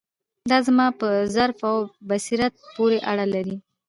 دا زما په ظرف او بصیرت پورې اړه لري.